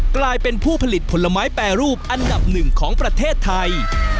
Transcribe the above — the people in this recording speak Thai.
กลายเป็นผู้ผลิตผลไม้แปรรูปอันดับหนึ่งของประเทศไทย